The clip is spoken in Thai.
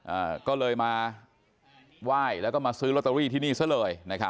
อ่าก็เลยมาไหว้แล้วก็มาซื้อลอตเตอรี่ที่นี่ซะเลยนะครับ